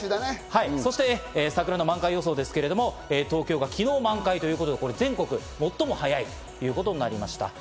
そして桜の満開予想ですけど、東京が昨日、満開ということで全国で最も早いということになりました。